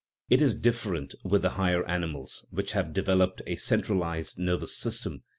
* It is different with the higher animals which have developed a centralized nervous system and * Cf